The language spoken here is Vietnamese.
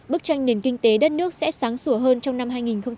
bức tranh nền kinh tế đất nước sẽ sáng sủa hơn trong năm hai nghìn một mươi bảy